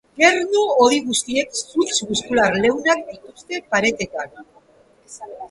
Gernu-hodi guztiek zuntz muskular leunak dituzte paretetan.